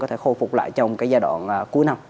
có thể khôi phục lại trong cái giai đoạn cuối năm